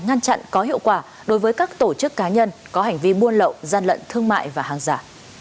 ngăn chặn có hiệu quả đối với các tổ chức cá nhân có hành vi buôn lậu gian lận thương mại và hàng giả